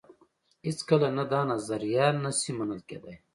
هېڅکله نه دا نظریه نه شي منل کېدای.